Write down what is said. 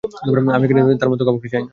আমি এখানে ওর মতো কাউকে চাই না।